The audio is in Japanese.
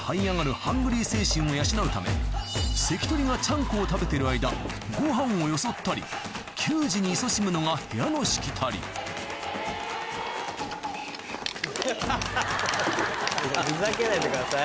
ハングリー精神を養うため関取がちゃんこを食べてる間ご飯をよそったり給仕にいそしむのが部屋のしきたりふざけないでください。